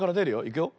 いくよ。